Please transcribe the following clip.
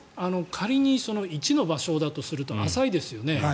仮に１の場所だとすると浅いですよね。